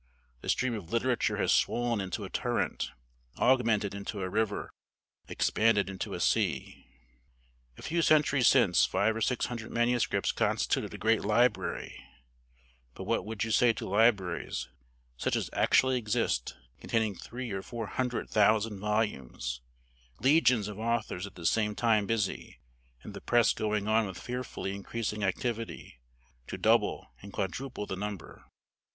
The stream of literature has swollen into a torrent augmented into a river expanded into a sea. A few centuries since five or six hundred manuscripts constituted a great library; but what would you say to libraries, such as actually exist, containing three or four hundred thousand volumes; legions of authors at the same time busy; and the press going on with fearfully increasing activity, to double and quadruple the number?